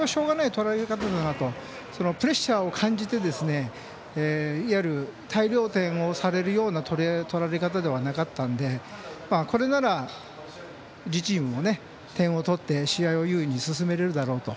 それから、点の取られ方もしょうがない取られ方だなと。プレッシャーを感じていわゆる大量点をされるような取られ方ではなかったのでこれなら、自チームも点を取って試合を優位に進められるだろうと。